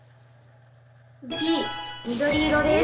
Ｂ緑色です。